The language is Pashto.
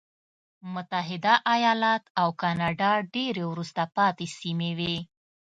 متحده ایالات او کاناډا ډېرې وروسته پاتې سیمې وې.